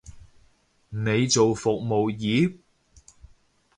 你做服務業？